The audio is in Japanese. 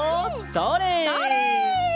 それ！